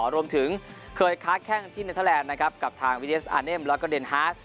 รวมถึงเคยคาดแข้งที่เนทาแลนด์นะครับกับทางวิเยสอาร์เนมล็อตเกอร์เดนฮาร์ด